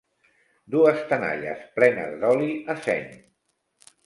Dues tenalles plenes d'oli, a seny.